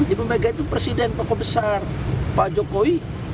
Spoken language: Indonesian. ibu mega itu presiden tokoh besar pak jokowi